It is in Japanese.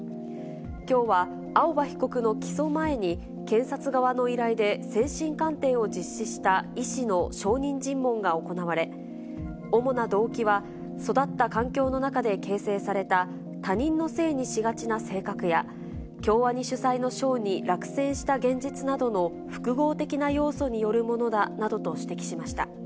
きょうは青葉被告の起訴前に、検察側の依頼で精神鑑定を実施した医師の証人尋問が行われ、主な動機は、育った環境の中で形成された他人のせいにしがちな性格や、京アニ主催の賞に落選した現実などの複合的な要素によるものだなどと指摘しました。